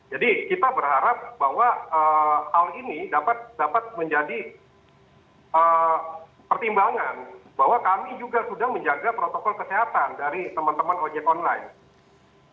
jadi kita berharap bahwa hal ini dapat menjadi pertimbangan bahwa kami juga sudah menjaga protokol kesehatan dari teman teman ojek online